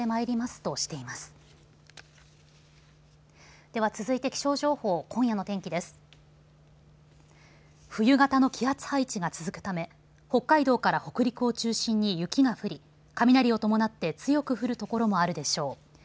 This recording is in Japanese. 冬型の気圧配置が続くため北海道から北陸を中心に雪が降り雷を伴って強く降る所もあるでしょう。